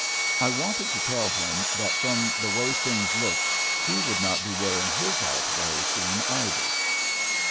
I wanted to tell him that from the way things looked he would not be wearing his out very soon, either.